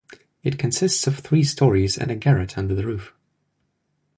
It consists of three storeys and a garret under the roof.